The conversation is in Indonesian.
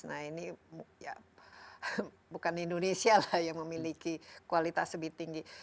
nah ini ya bukan indonesia lah yang memiliki kualitas lebih tinggi